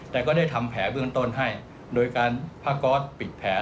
แต่ก็ได้ทำแผลเบื้องต้นให้โดยการผ้าก๊อตปิดแผล